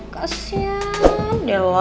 kasian deh lo